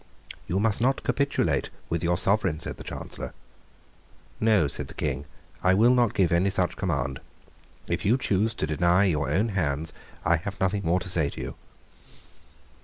"You must not capitulate with your Sovereign," said the Chancellor. "No," said the King; "I will not give any such command. If you choose to deny your own hands, I have nothing more to say to you."